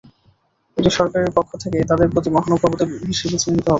এটি সরকারের পক্ষ থেকে তাঁদের প্রতি মহানুভবতা হিসেবে চিহ্নিত হবে।